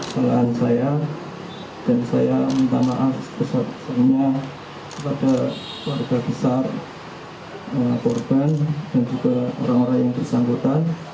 salah saya dan saya minta maaf sebesar besarnya pada warga besar korban dan juga orang orang yang disangkutan